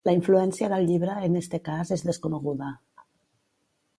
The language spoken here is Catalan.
La influència del llibre en este cas és desconeguda.